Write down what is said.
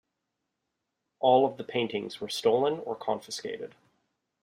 All of the paintings were stolen or confiscated.